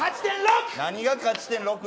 何が勝ち点６や！